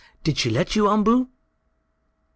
"Did she let you, Umboo?"